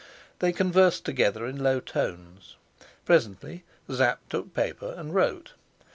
They conversed together in low tones. Presently Sapt took paper and wrote.